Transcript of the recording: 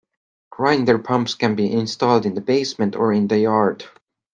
Grinder pumps can be installed in the basement or in the yard.